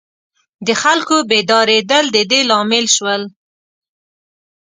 د خلکو بیدارېدل د دې لامل شول.